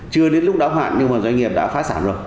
chưa đến lúc đáo hạn nhưng mà doanh nghiệp đã phá sản rồi